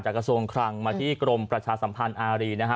กระทรวงคลังมาที่กรมประชาสัมพันธ์อารีนะฮะ